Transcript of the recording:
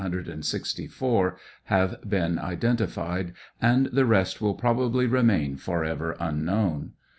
Of these, only 175,764 have been identified, and the rest will probably remain for ever unknown.